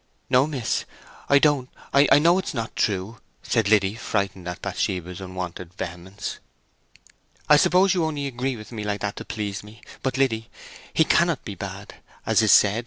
"No, miss. I don't—I know it is not true!" said Liddy, frightened at Bathsheba's unwonted vehemence. "I suppose you only agree with me like that to please me. But, Liddy, he cannot be bad, as is said.